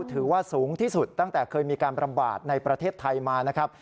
ถือว่าสูงที่สุดตั้งแต่เคยมีการประบาดในประเทศไทยมานะครับ